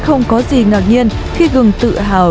không có gì ngạc nhiên khi gừng tự hào